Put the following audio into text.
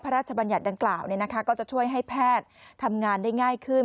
บัญญัติดังกล่าวก็จะช่วยให้แพทย์ทำงานได้ง่ายขึ้น